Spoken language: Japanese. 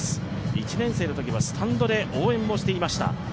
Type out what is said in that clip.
１年生のときはスタンドで応援をしていました。